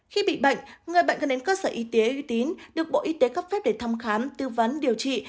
khi bị bệnh người bệnh cần đến cơ sở y tế uy tín được bộ y tế cấp phép để thăm khám tư vấn điều trị